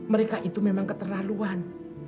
mereka itu memang keterlaluan